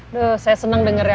duh saya seneng denger ya